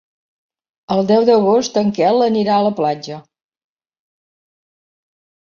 El deu d'agost en Quel anirà a la platja.